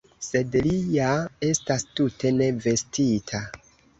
Sed li ja estas tute ne vestita!